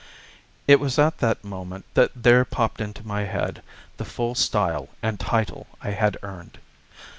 It was at that moment that there popped into my head the full style and title I had earned.